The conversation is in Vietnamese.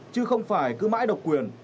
chứ không phải cứ mãi độc quyền